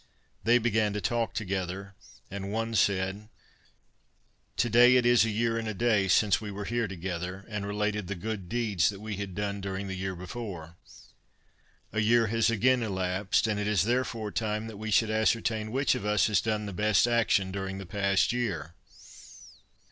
They began to talk together, and one said: 'To day it is a year and a day since we were here together and related the good deeds that we had done during the year before. A year has again elapsed, and it is therefore time that we should ascertain which of us has done the best action during the past year.